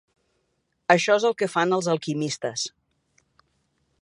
Això és el que fan els alquimistes.